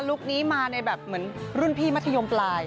นี้มาในแบบเหมือนรุ่นพี่มัธยมปลาย